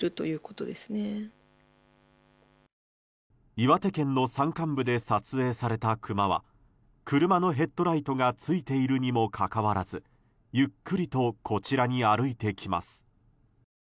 岩手県の山間部で撮影されたクマは車のヘッドライトがついているにもかかわらずゆっくりとこちらに歩いてきます。